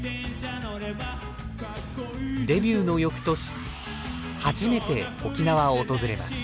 デビューのよくとし初めて沖縄を訪れます。